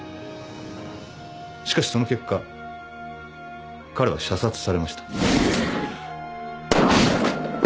しかしその結果彼は射殺されました。